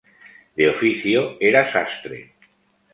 De oficio era sastre.